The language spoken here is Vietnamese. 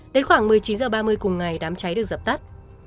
đến khoảng một mươi chín h ba mươi cùng ngày đám cháy được dập tắt